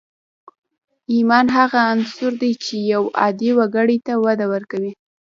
ايمان هغه عنصر دی چې يو عادي وګړي ته وده ورکوي.